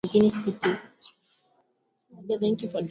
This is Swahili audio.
kwa sifuri dhidi wolvehamton fulham wakaibuka washindi wa bao moja